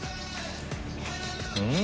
うん！